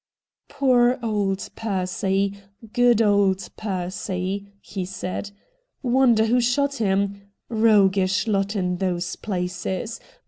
' Poor old Percy — good old Percy !' he said. ' Wonder who shot him. Eoughish lot in those places.